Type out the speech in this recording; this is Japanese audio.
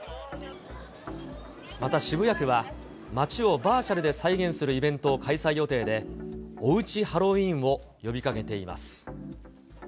また渋谷区は、街をバーチャルで再現するイベントを開催予定で、おうちハロウィーンを呼びかけています。